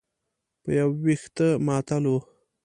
په یو وېښته معطل و.